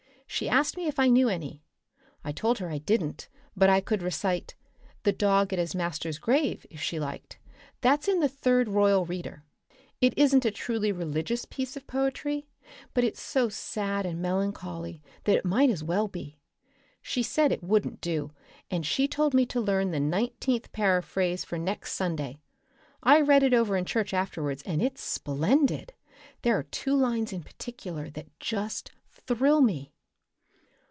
She asked me if I knew any. I told her I didn't, but I could recite, 'The Dog at His Master's Grave' if she liked. That's in the Third Royal Reader. It isn't a really truly religious piece of poetry, but it's so sad and melancholy that it might as well be. She said it wouldn't do and she told me to learn the nineteenth paraphrase for next Sunday. I read it over in church afterwards and it's splendid. There are two lines in particular that just thrill me.